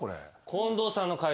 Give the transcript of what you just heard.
近藤さんの解答